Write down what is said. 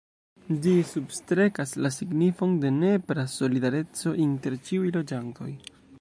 Ĝi substrekas la signifon de nepra solidareco inter ĉiuj loĝantoj.